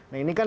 nah ini kan